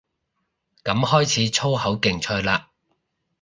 噉開始粗口競賽嘞